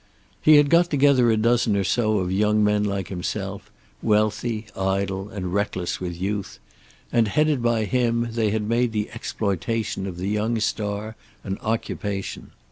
He had got together a dozen or so of young men like himself, wealthy, idle and reckless with youth, and, headed by him, they had made the exploitation of the young star an occupation.